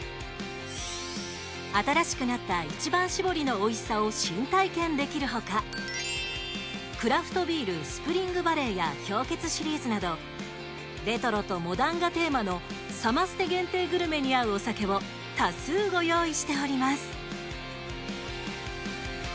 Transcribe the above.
新しくなった一番搾りのおいしさを体験できる他一番搾り、スプリングバレー氷結シリーズなどレトロとモダンがテーマのサマステ限定グルメに合うお酒を多数ご用意しております。